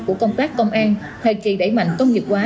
của công tác công an thời kỳ đẩy mạnh công nghiệp hóa